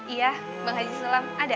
iya bang haji sulam ada